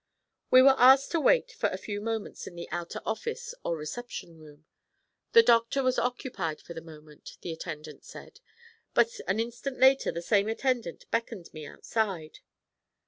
We were asked to wait for a few moments in the outer office or reception room. The doctor was occupied for the moment, the attendant said, but an instant later the same attendant beckoned me outside.